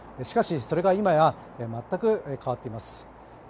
しかし、それが今や全く変わっています。